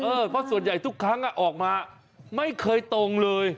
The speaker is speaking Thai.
เพราะส่วนใหญ่ทุกครั้งออกมาไม่เคยตรงเลย